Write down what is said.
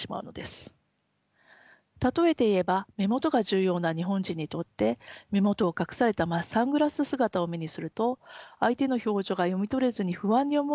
例えて言えば目元が重要な日本人にとって目元を隠されたサングラス姿を目にすると相手の表情が読み取れずに不安に思うことはないでしょうか。